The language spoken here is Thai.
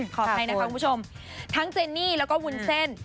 ขออภัยนะคะคุณผู้ชมทั้งเจนี่แล้วก็วุ้นเส้น